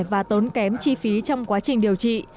và tốn kém chi phí trong quá trình điều trị